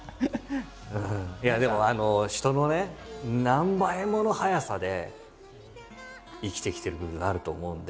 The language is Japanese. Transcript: いやでも人のね何倍もの速さで生きてきてる部分があると思うんで。